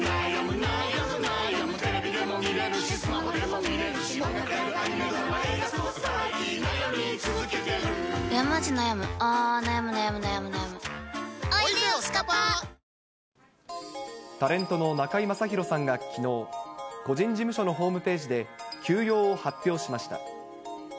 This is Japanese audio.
そしてきのうは、タレントの中居正広さんがきのう、個人事務所のホームページで休養を発表しました。